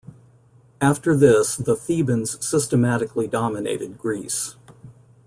After this, the Thebans systematically dominated Greece.